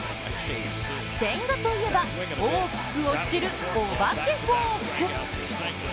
千賀といえば、大きく落ちるお化けフォーク。